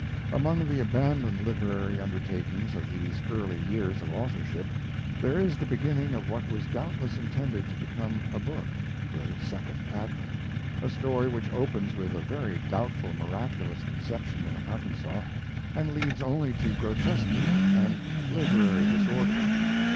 Among the abandoned literary undertakings of these early years of authorship there is the beginning of what was doubtless intended to become a book, "The Second Advent," a story which opens with a very doubtful miraculous conception in Arkansas, and leads only to grotesquery and literary disorder.